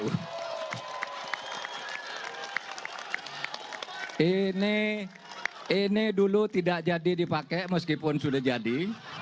ini dulu tidak jadi dipakai meskipun sudah jadi